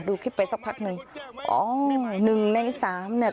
ดูคลิปไปสักพักหนึ่งอ๋อนี่หนึ่งในสามเนี่ย